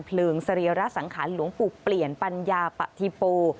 พลึงเสรียรัฐสังขารหลวงปู่เปลี่ยนปัญญาปะธิโป